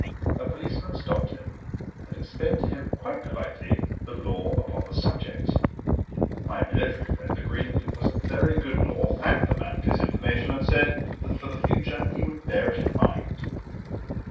A policeman stopped him and explained to him quite politely the law upon the subject. My military friend agreed that it was a very good law, thanked the man for his information, and said that for the future he would bear it in mind.